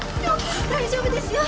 大丈夫ですよ。